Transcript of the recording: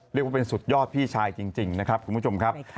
เรียกว่าเป็นสุดยอดพี่ชายจริงนะครับคุณผู้ชมครับ